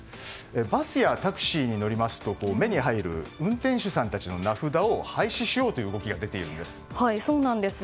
バスやタクシーに乗りますと目に入る運転手さんたちの名札を廃止しようという動きがそうなんです。